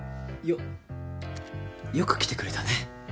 よく来てくれたね。